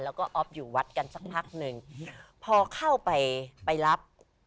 แล้วก็ออฟอยู่วัดกันสักพักหนึ่งพอเข้าไปไปรับ